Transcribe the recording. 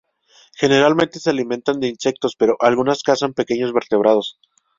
Generalmente se alimentan de insectos, pero algunas cazan pequeños vertebrados.